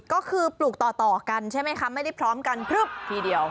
ก็คือปลูกต่อกันใช่ไหมคะไม่ได้พร้อมกันพลึบทีเดียว